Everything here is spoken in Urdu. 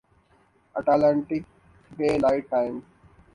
Atlantic daylight time